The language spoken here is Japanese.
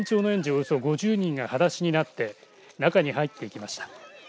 およそ５０人がはだしになって中に入っていきました。